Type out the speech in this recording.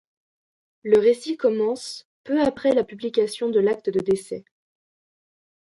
Le récit commence peu après la publication de l'acte de décès.